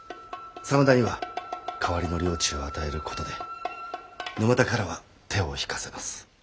真田には代わりの領地を与えることで沼田からは手を引かせます。